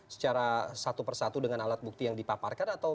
secara satu persatu dengan alat bukti yang dipaparkan atau